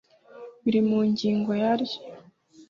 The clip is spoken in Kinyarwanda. biri mu ngingo yaryo .